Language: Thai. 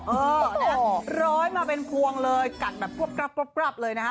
เออนะฮะร้อยมาเป็นพวงเลยกัดแบบกวบเลยนะฮะ